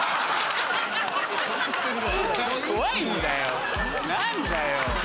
怖いんだよ何だよ。